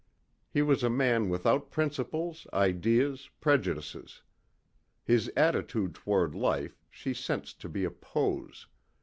He was a man without principles, ideas, prejudices. His attitude toward life she sensed to be a pose.